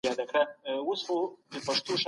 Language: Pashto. ايا انلاين زده کړه د زده کړې دوام تضمینوي؟